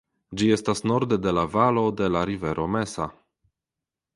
Ĝi estas norde de la valo de la rivero Mesa.